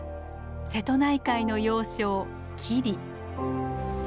瀬戸内海の要衝吉備。